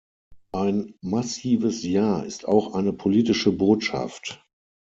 Ein massives ja ist auch eine politische Botschaft.